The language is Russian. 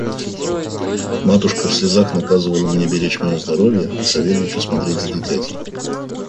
Матушка в слезах наказывала мне беречь мое здоровье, а Савельичу смотреть за дитятей.